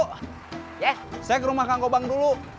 saya ke rumah kang gobang dulu